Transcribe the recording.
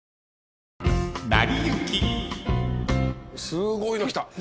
すごいの来た。